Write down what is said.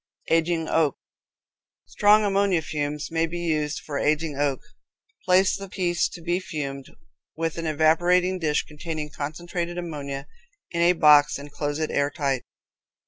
Aging Oak. Strong ammonia fumes may be used for aging oak. Place the piece to be fumed, with an evaporating dish containing concentrated ammonia, in a box, and close it airtight.